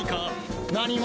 何も。